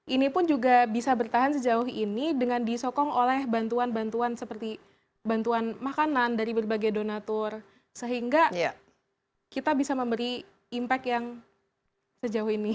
ini pun juga bisa bertahan sejauh ini dengan disokong oleh bantuan bantuan seperti bantuan makanan dari berbagai donatur sehingga kita bisa memberi impact yang sejauh ini